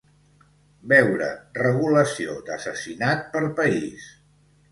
Veure regulació d'assassinat per País.